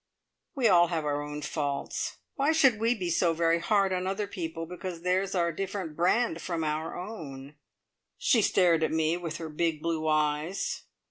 We all have our own faults. Why should we be so very hard on other people because theirs are a different brand from our own?" She stared at me with her big blue eyes.